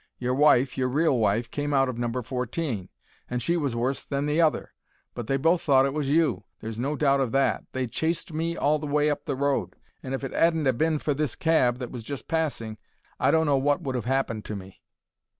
Your wife, your real wife, came out of number fourteen—and she was worse than the other. But they both thought it was you—there's no doubt of that. They chased me all the way up the road, and if it 'adn't ha' been for this cab that was just passing I don't know wot would 'ave 'appened to me."